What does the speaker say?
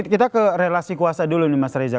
kita ke relasi kuasa dulu nih mas reza